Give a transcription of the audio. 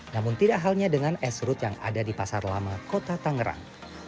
namun tidak halnya dengan es rut yang ada di pasar lama kota tangerang